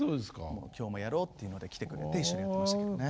今日もやろうって来てくれて一緒にやってましたけどね。